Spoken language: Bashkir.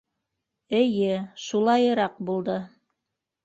Эйе, шулайыраҡ булды.